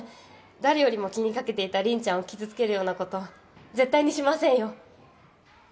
誰よりも気にかけていた凛ちゃんを傷つけるような事絶対にしませんよ。